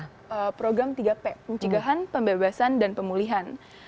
jadi kita ada program tiga p pencegahan pembebasan dan pemulihan